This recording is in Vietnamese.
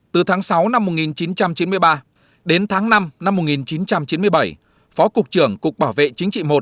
từ tháng sáu năm một nghìn chín trăm chín mươi ba đến tháng năm năm một nghìn chín trăm chín mươi bảy phó cục trưởng cục bảo vệ chính trị một